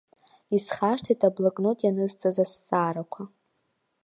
Исхашҭит аблокнот ианысҵаз азҵаарақәа.